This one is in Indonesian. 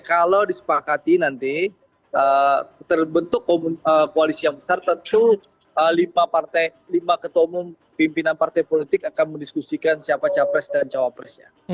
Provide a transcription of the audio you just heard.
kalau disepakati nanti terbentuk koalisi yang besar tentu lima ketua umum pimpinan partai politik akan mendiskusikan siapa capres dan cawapresnya